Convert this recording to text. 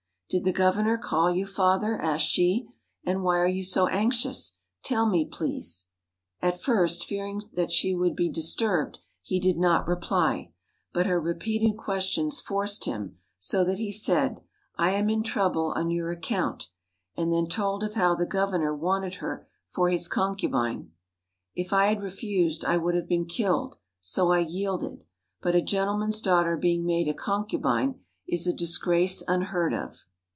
"Did the Governor call you, father?" asked she; "and why are you so anxious? Tell me, please." At first, fearing that she would be disturbed, he did not reply, but her repeated questions forced him, so that he said, "I am in trouble on your account," and then told of how the Governor wanted her for his concubine. "If I had refused I would have been killed, so I yielded; but a gentleman's daughter being made a concubine is a disgrace unheard of."